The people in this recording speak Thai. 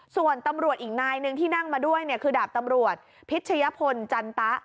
ส่วนตำรวจอีกนายหนึ่งที่นั่งมาด้วยคือดาบตำรวจพิชยพลจันตะ